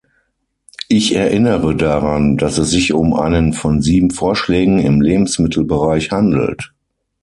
Ich erinnere daran, dass es sich um einen von sieben Vorschlägen im Lebensmittelbereich handelt.